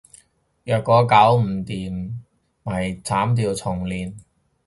若果搞唔掂，咪砍掉重練